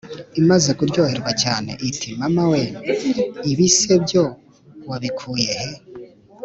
Imaze kuryoherwa cyane, iti Mama we ! Ibi se byo wabikuye he?